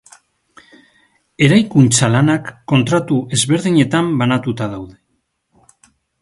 Eraikuntza lanak kontratu ezberdinetan banatuta daude.